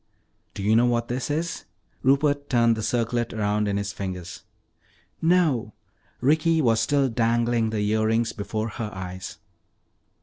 "Do you know what this is?" Rupert turned the circlet around in his fingers. "No." Ricky was still dangling the earrings before her eyes.